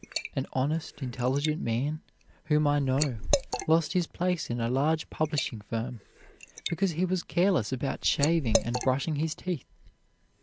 An honest, intelligent man whom I know lost his place in a large publishing firm because he was careless about shaving and brushing his teeth.